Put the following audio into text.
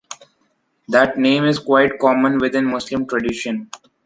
That name is quite common within Muslim tradition.